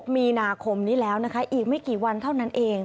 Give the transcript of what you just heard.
มีนาคมนี้แล้วนะคะอีกไม่กี่วันเท่านั้นเอง